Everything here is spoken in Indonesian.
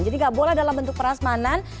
jadi nggak boleh dalam bentuk prasmanan